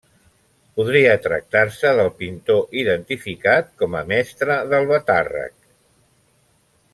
Podria tractar-se del pintor identificat com a Mestre d'Albatàrrec.